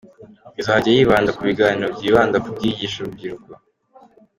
Ngo izajya yibanda ku biganiro byibanda ku byigisha urubyiruko.